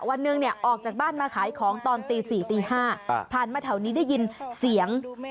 วันหนึ่งเนี่ยออกจากบ้านมาขายของตอนตี๔ตี๕ผ่านมาแถวนี้ได้ยินเสียง